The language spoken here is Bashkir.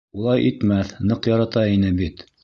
Улай итмәҫ, ныҡ ярата ине бит.